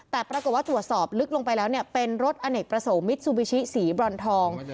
แต่ปรากฏว่าตรวจสอบลึกลงไปแล้วเนี่ยเป็นรถอเนกประสงค์มิตรซูบิชิสีบรอนทอง